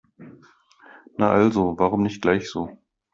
Na also, warum nicht gleich so?